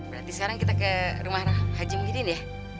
berarti sekarang kita ke rumah haji mugidin ya